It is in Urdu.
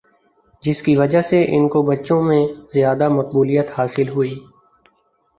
جس کی وجہ سے ان کو بچوں میں زیادہ مقبولیت حاصل ہوئی